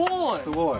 すごい。